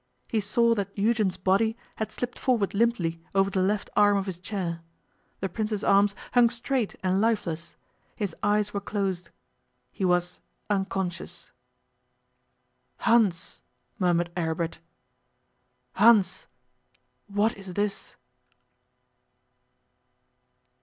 He saw that Eugen's body had slipped forward limply over the left arm of his chair; the Prince's arms hung straight and lifeless; his eyes were closed; he was unconscious. 'Hans!' murmured Aribert. 'Hans! What is this?